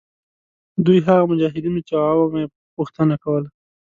دوی هغه مجاهدین وه چې عوامو یې غوښتنه کوله.